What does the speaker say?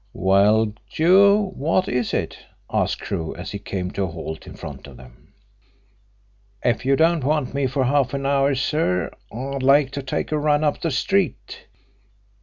"Well, Joe, what is it?" asked Crewe, as he came to a halt in front of them. "If you don't want me for half an hour, sir, I'd like to take a run up the street.